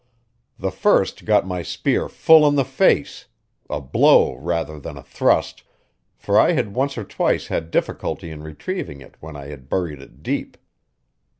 The first got my spear full in the face a blow rather than a thrust, for I had once or twice had difficulty in retrieving it when I had buried it deep.